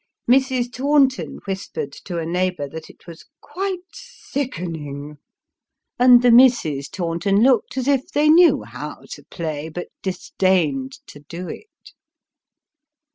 Mrs. Taunton whispered to a neighbour that it was " quite sickening !" and the Misses Taunton looked as if they knew how to play, but disdained to do it.